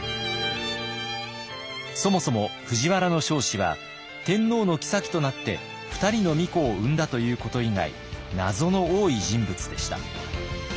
そもそも藤原彰子は天皇の后となって２人の皇子を産んだということ以外謎の多い人物でした。